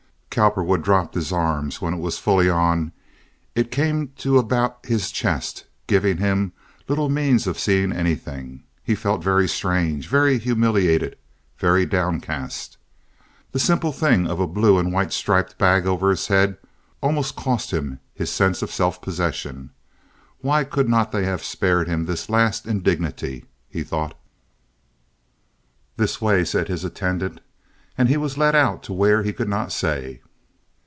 Cowperwood dropped his arms. When it was fully on, it came to about his chest, giving him little means of seeing anything. He felt very strange, very humiliated, very downcast. This simple thing of a blue and white striped bag over his head almost cost him his sense of self possession. Why could not they have spared him this last indignity, he thought? "This way," said his attendant, and he was led out to where he could not say.